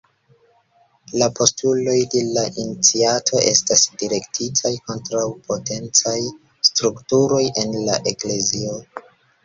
La postuloj de la iniciato estas direktitaj kontraŭ potencaj strukturoj en la eklezio.